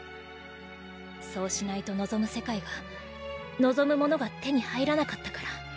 そうしないと望む世界が望むものが手に入らなかったから。